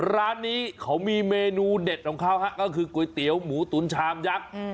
ร้านนี้เขามีเมนูเด็ดของเขาฮะก็คือก๋วยเตี๋ยวหมูตุ๋นชามยักษ์